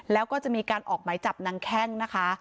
แล้วก็จะมีการออกไหมจับนางแข้งนะคะ